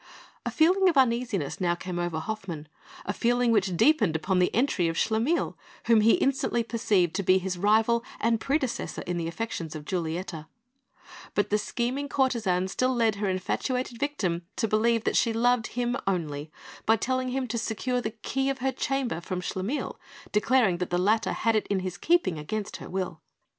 A feeling of uneasiness now came over Hoffmann, a feeling which deepened upon the entry of Schlemil, whom he instantly perceived to be his rival and predecessor in the affections of Giulietta; but the scheming courtesan still led her infatuated victim to believe that she loved him only by telling him to secure the key of her chamber from Schlemil, declaring that the latter had it in his keeping against her will.